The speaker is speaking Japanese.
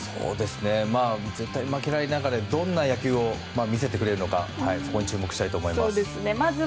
絶対負けられない中でどんな野球を見せてくれるのかに注目したいと思います。